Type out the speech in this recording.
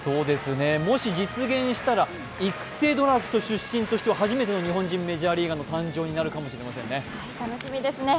もし実現したら、育成ドラフト出身としては初めての日本人メジャーリーガーの誕生になるかもしれませんね。